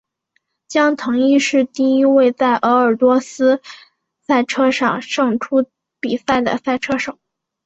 江腾一是第一位在鄂尔多斯赛车场胜出比赛的赛车手。